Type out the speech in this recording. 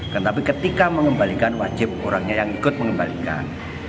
tetapi ketika mengembalikan wajib orangnya yang ikut mengembalikan